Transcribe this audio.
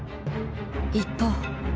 一方。